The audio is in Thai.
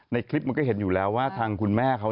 ในคลิปมันเห็นอยู่แล้วทางคุณแม่เขา